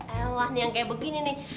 elah nih yang kayak begini nih